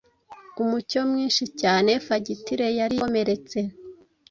Umucyo mwinshi cyane fagitire yari yakomeretse